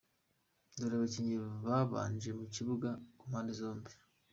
Dore abakinnyi babanje mu kibuga ku mpande zombi: